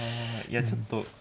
いやちょっと。